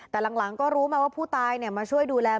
แต่หลังก็รู้มาว่าผู้ตายมาช่วยดูแล